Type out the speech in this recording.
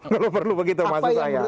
kalau perlu begitu maksud saya